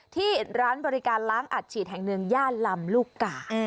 ที่ร้านบริการล้างอัดฉีดแห่งหนึ่งย่านลำลูกกา